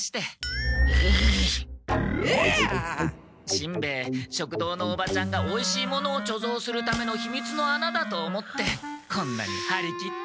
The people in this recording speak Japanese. しんべヱ食堂のおばちゃんがおいしいものをちょぞうするためのひみつの穴だと思ってこんなにはり切って。